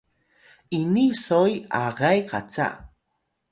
ini soy agay qaca